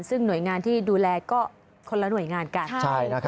ซึ่งหน่วยงานที่ดูแลก็คนละหน่วยงานกัน